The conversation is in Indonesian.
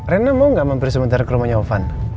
rena mau gak mampir sebentar ke rumahnya ovan